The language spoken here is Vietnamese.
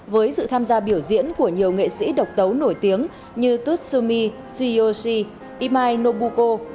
với sự tham gia biểu diễn của nhiều nghệ sĩ độc tấu nổi tiếng như tutsumi suyoshi imai nobuko